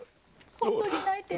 本当に泣いてる。